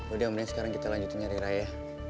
udah mulai sekarang kita lanjutin nyari raya